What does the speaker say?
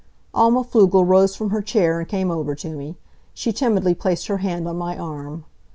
Alma Pflugel rose from her chair and came over to me. She timidly placed her hand on my arm.